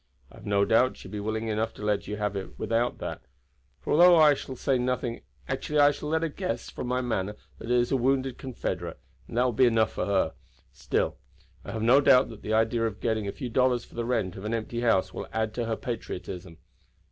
I have no doubt she would be willing enough to let you have it without that; for although I shall say nothing actually I shall let her guess from my manner that it is a wounded Confederate, and that will be enough for her. Still, I have no doubt that the idea of getting a few dollars for the rent of an empty house will add to her patriotism.